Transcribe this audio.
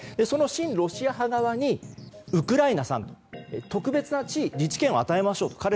その親ロシア派側にウクライナさん、特別な地位自治権を与えましょうと。